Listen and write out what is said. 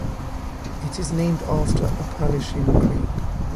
It is named after Apalachin Creek.